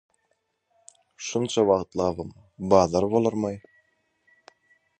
– Şunça wagtlabam bazar bolarm-aý?